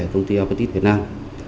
công ty albert east việt nam